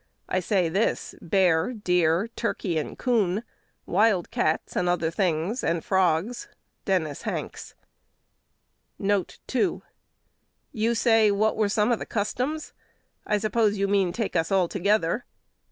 I say this: bear, deer, turkey, and coon, wild cats, and other things, and frogs." Dennis Hanks. 2 "You say, What were some of the customs? I suppose you mean take us all together.